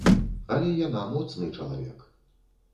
Але яна моцны чалавек.